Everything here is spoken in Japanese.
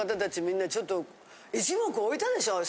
みんなちょっと一目おいたでしょう？